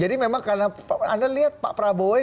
jadi memang karena anda lihat pak prabowo